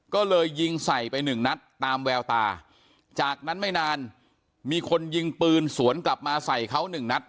ก็เลยยิงใส่ไปหนึ่งนัดตามแววตาจากนั้นไม่นานมีคนยิงปืนสวนกลับมาใส่เขาหนึ่งนัด